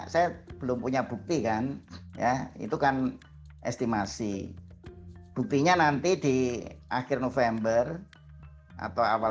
saya belum punya bukti kan ya itu kan estimasi buktinya nanti di akhir november atau awal